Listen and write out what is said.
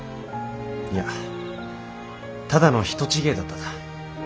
いやただの人違えだっただ。